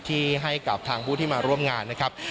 ที่ให้กับทางผู้ที่มาร่วมงานนะครับ